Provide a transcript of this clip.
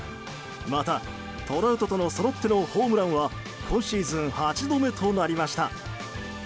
また、トラウトとのそろってのホームランは今シーズン８度目となりました。